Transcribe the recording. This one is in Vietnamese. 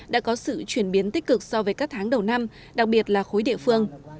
đã có sự chuyển biến tích cực so với các tháng đầu năm đặc biệt là khối địa phương